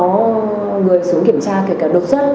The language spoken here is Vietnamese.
người xuống kiểm tra kể cả đột xuất